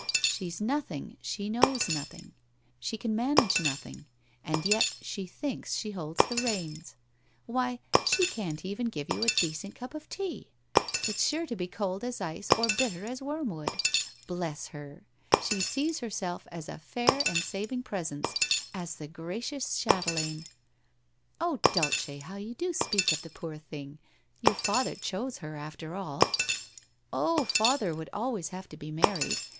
She's nothing, she knows nothing, she can manage nothing, and yet she thinks she holds the reins. Why, she can't even give you a decent cup of tea; it's sure to be cold as ice or hitter as worm wood. Bless her! she sees herself as a fair and saving presence — as the gracious chatelaine !'' Oh, Dulce, how you do speak of the poor thing ! Your father chose her after all !'' Oh, father would always have to be married.